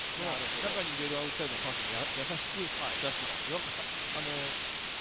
中に入れるアウトサイドのパスもやさしく入れています。